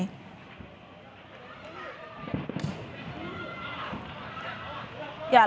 ledakan gudang peluru yang terjadi saudara terdengar beberapa radius kilometer